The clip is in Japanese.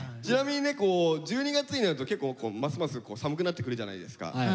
ちなみにね１２月になると結構ますます寒くなってくるじゃないですか。